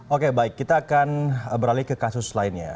oke baik kita akan beralih ke kasus lainnya